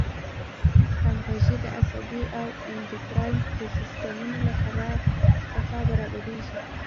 همغږي د عصبي او اندوکراین د سیستمونو له خوا برابریږي.